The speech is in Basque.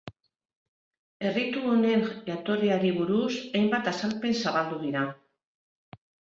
Erritu honen jatorriari buruz hainbat azalpen zabaldu dira.